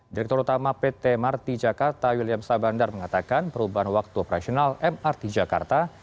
direktur utama pt mrt jakarta william sabandar mengatakan perubahan waktu operasional mrt jakarta